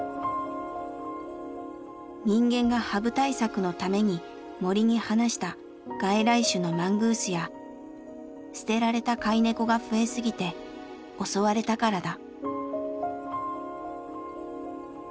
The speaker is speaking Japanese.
人間がハブ対策のために森に放した外来種のマングースや捨てられた飼い猫が増えすぎて襲われたからだ。